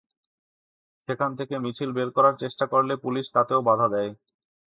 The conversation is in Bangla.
সেখান থেকে মিছিল বের করার চেষ্টা করলে পুলিশ তাতেও বাধা দেয়।